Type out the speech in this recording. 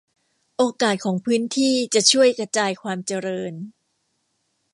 โอกาสของพื้นที่จะช่วยกระจายความเจริญ